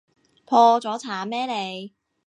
破咗產咩你？